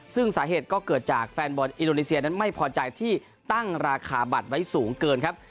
ซึ่งสาเหตุก็เกิดจากแฟนบอลอินโดนีเซียนั้นไม่พอใจที่ตั้งราคาบัตรไว้สูงเกินครับ